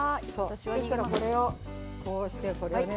そしたらこれをこうしてこれをね